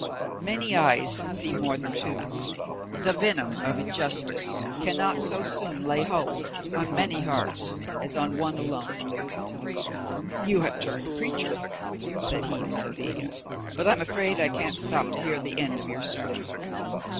Many eyes see more than two; the venom of injustice cannot so soon lay hold on many hearts as on one alone." "You have turned preacher!" said he of Seville; "but I am afraid I can't stop to hear the end of your sermon.